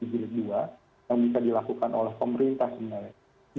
teks amnesti jilid dua yang bisa dilakukan oleh pemerintah sebenarnya